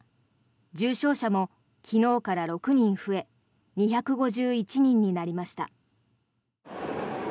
重症者も昨日から６人増え２５１人になりました。